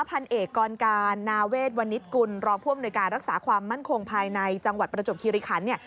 พันเอกกรการนาเวทวันนิดกุลรองผู้อำนวยการรักษาความมั่นคงภายในจังหวัดประจบคิริคันเนี่ย